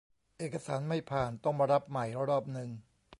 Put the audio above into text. เอกสารไม่ผ่านต้องมารับใหม่รอบนึง